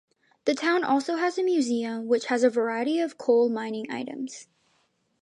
The town also has a museum which has a variety of coal mining items.